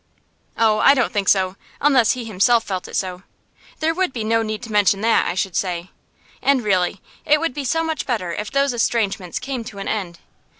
'Oh, I don't think so, unless he himself felt it so. There would be no need to mention that, I should say. And, really, it would be so much better if those estrangements came to an end.